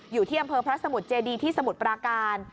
อยู่ที่อำเภอพระสมุทรเจดีที่สมุทรปราการ